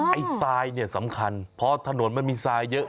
ไอ้ไซส์สำคัญเพราะถนนมันมีไซส์เยอะ